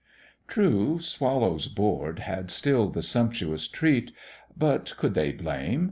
True, Swallow's board had still the sumptuous treat; But could they blame?